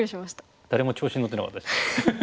誰も調子に乗ってなかったです。